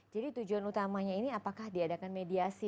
jadi tujuan utamanya ini apakah diadakan mediasi